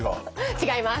違います。